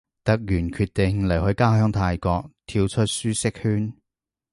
突然決定離開家鄉泰國，跳出舒適圈